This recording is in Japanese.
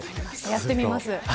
やってみます。